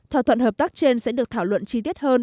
thỏa thuận hợp tác trên sẽ được thảo luận chi tiết hơn